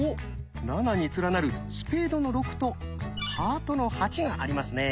７に連なる「スペードの６」と「ハートの８」がありますね。